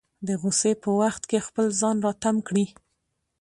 د غوسې په وخت کې خپل ځان راتم کړي.